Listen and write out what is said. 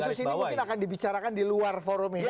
kasus ini mungkin akan dibicarakan di luar forum ini